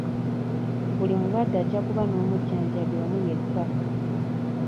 Buli mulwadde ajja kuba n'omujjanjabi omu yekka.